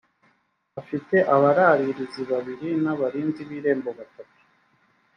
afite abararirizi babiri n’abarinzi b‘irembo batatu